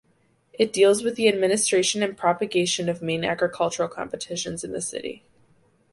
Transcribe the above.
It deals with the administration and propagation of main architectural competitions in the city.